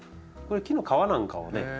木の皮なんかをね